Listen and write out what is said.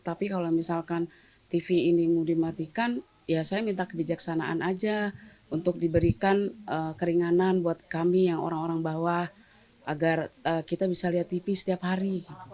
tapi kalau misalkan tv ini mau dimatikan ya saya minta kebijaksanaan aja untuk diberikan keringanan buat kami yang orang orang bawah agar kita bisa lihat tv setiap hari